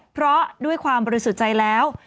เพราะด้วยความบริสุทธิ์ใจแล้ว